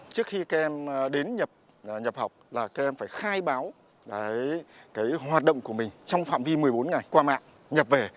trước khi các em đến nhập học là các em phải khai báo hoạt động của mình trong phạm vi một mươi bốn ngày qua mạng nhập về